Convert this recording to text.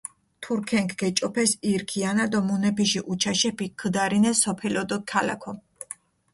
თურქენქ გეჭოფეს ირ ქიანა დო მუნეფიში უჩაშეფი ქჷდარინეს სოფელო დო ქალაქო.